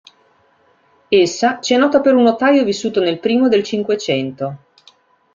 Essa ci è nota per un notaio vissuto nel primo del Cinquecento.